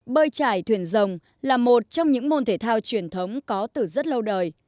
bơi trải thuyền rồng là một trong những môn thể thao truyền thống có từ rất lâu đời